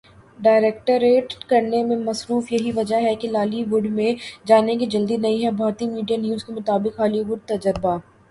direct کرنے میں مصروف یہی وجہ ہے کہ لالی ووڈ میں جانے کی جلدی نہیں ہے بھارتی میڈیا نیوز کے مطابق ہالی ووڈ تجربہ